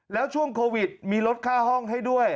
แล้วช่วงโควิดมีลดค่าห้องให้ด้วย